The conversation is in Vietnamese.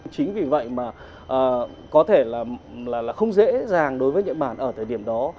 chính vì vậy mà có thể là không dễ dàng đối với nhật bản ở thời điểm đó